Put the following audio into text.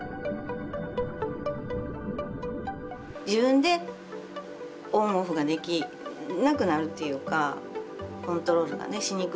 自分でオンオフができなくなるっていうかコントロールがねしにくくなる。